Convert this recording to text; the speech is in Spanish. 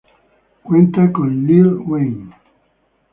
Cuenta con Lil' Wayne.